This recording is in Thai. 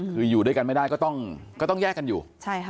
คืออยู่ด้วยกันไม่ได้ก็ต้องแยกกันอยู่